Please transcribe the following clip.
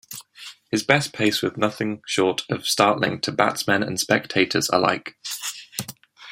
His best pace was nothing short of startling to batsmen and spectators alike.